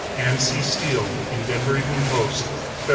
_Anne C. Steele, in Denver Evening Post, Feb.